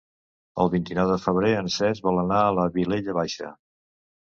El vint-i-nou de febrer en Cesc vol anar a la Vilella Baixa.